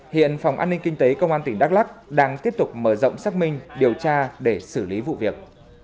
hiện phòng an ninh kinh tế công an tỉnh đắk lắc đang tiếp tục mở rộng xác minh điều tra để xử lý vụ việc